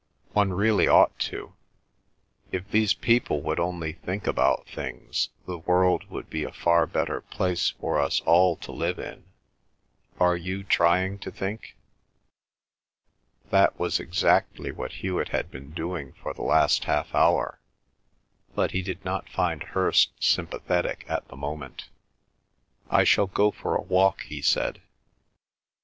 "One really ought to. If these people would only think about things, the world would be a far better place for us all to live in. Are you trying to think?" That was exactly what Hewet had been doing for the last half hour, but he did not find Hirst sympathetic at the moment. "I shall go for a walk," he said.